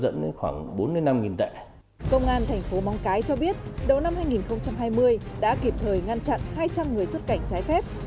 thành phố mong cái cho biết đầu năm hai nghìn hai mươi đã kịp thời ngăn chặn hai trăm linh người xuất cảnh trái phép